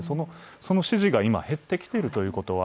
その支持が今減ってきているということは